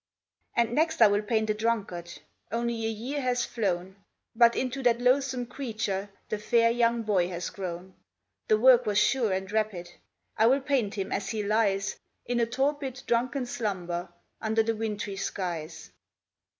And next I will paint a drunkard Only a year has flown, But into that loathsome creature The fair young boy has grown. The work was sure and rapid. I will paint him as he lies In a torpid, drunken slumber, Under the wintry skies.